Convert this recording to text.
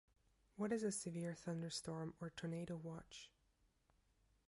What is a Severe Thunderstorm or Tornado Watch?